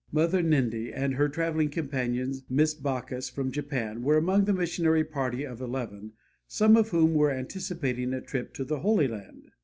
"Mother Ninde" and her traveling companion, Miss Baucus, from Japan, were among the missionary party of eleven, some of whom were anticipating a trip to the Holy Land.